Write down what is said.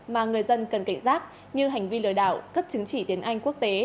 mà người dân cần cảnh giác như hành vi lừa đảo cấp chứng chỉ tiếng anh quốc tế